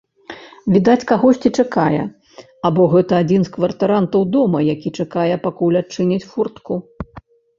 Відаць, кагосьці чакае, або гэта адзін з кватарантаў дома, які чакае, пакуль адчыняць фортку.